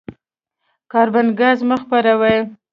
کاربن ګاز مه خپروه.